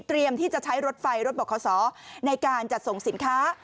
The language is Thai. ที่จะใช้รถไฟรถบอกขอสอในการจัดส่งสินค้า